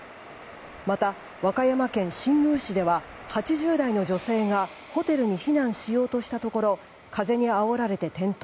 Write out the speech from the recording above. また、和歌山県新宮市では８０代の女性がホテルに避難しようとしたところ風にあおられて転倒。